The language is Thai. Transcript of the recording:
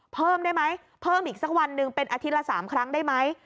เพิ่มได้ไหมเพิ่มอีกสักวันหนึ่งเป็นอาทิตย์ละ๓ครั้งได้ไหม